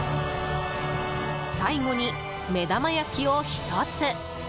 最後に目玉焼きを１つ。